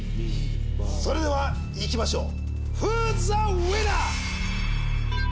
それではいきましょう。